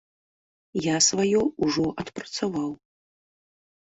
Я сваё ўжо адпрацаваў.